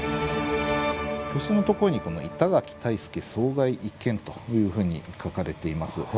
表紙のところに「板垣退助遭害一件」というふうに書かれています。